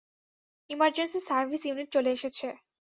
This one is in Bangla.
ইমার্জেন্সি সার্ভিস ইউনিট চলে এসেছে।